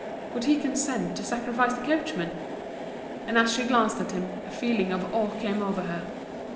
Would he consent to sacrifice the coachman? And as she glanced at him, a feeling of awe came over her.